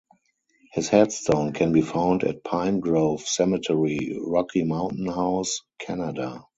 His headstone can be found at Pine Grove Cemetery, Rocky Mountain House, Canada.